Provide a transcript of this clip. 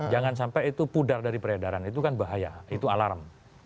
jangan sampai itu pudar dari peredaran itu kan bahaya itu alarm